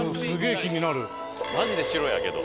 マジで城やけど。